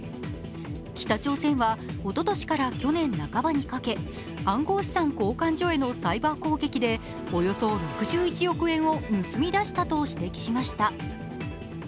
北朝鮮はおととしから去年半ばにかけ暗号資産交換所へのサイバー攻撃でおよそ６１億円を盗み出したと指摘しました。